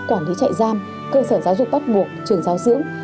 quản lý trại giam cơ sở giáo dục bắt buộc trường giáo dưỡng